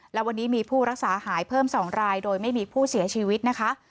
และวันนี้มีผู้รักษาหายเพิ่ม๒รายโดยไม่มีผู้เสียชีวิตนะคะ